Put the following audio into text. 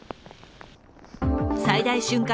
最大瞬間